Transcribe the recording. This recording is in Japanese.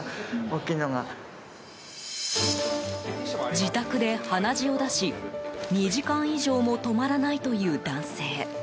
自宅で鼻血を出し２時間以上も止まらないという男性。